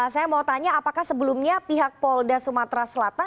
saya mau tanya apakah sebelumnya pihak polda sumatera selatan